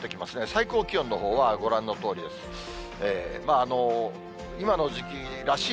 最高気温のほうはご覧のとおりです。